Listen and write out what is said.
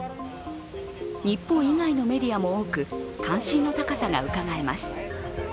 日本以外のメディアも多く、関心の高さがうかがえます。